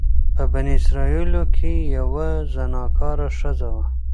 په بني اسرائيلو کي يوه زناکاره ښځه وه،